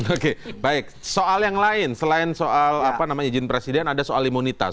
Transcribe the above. oke baik soal yang lain selain soal apa namanya izin presiden ada soal imunitas